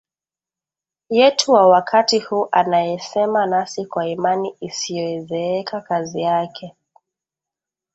yetu wa wakati huu anayesema nasi kwa imani isiyozeeka Kazi yake